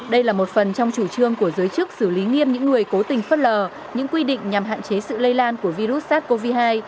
đây là một phần trong chủ trương của giới chức xử lý nghiêm những người cố tình phất lờ những quy định nhằm hạn chế sự lây lan của virus sars cov hai